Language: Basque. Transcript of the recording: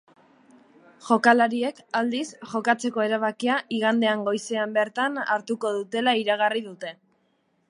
Jokalariek, aldiz, jokatzeko erabakia igandean goizean bertan hartuko dutela iragarri dute.